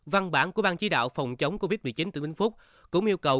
văn bản của ban chí đạo phòng chống covid một mươi chín tử minh phúc cũng yêu cầu